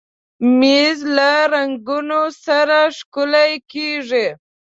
مېز له رنګونو سره ښکلی کېږي.